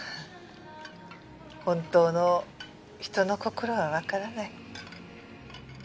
本当の人の心はわからない。